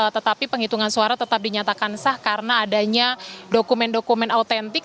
tetapi penghitungan suara tetap dinyatakan sah karena adanya dokumen dokumen autentik